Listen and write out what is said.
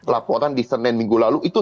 laporan di senin minggu lalu itu